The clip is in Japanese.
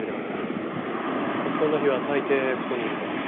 落ち込んだ日は大抵ここにいると。